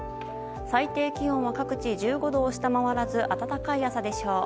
最低気温は各地１５度を下回らず暖かい朝でしょう。